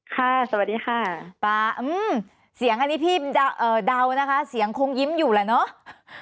สวัสดีค่ะป๊าเสียงอันนี้พี่เดานะคะเสียงคงยิ้มอยู่แหละเนาะ